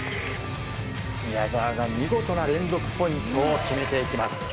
宮澤が見事な連続ポイントを決めていきます。